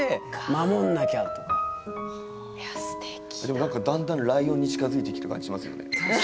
でもなんかだんだんライオンに近づいてきてる感じしますよね。